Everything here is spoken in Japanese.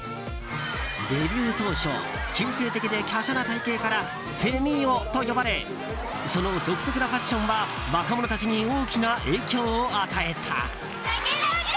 デビュー当初中性的で華奢な体形からフェミ男と呼ばれその独特なファッションは若者たちに大きな影響を与えた。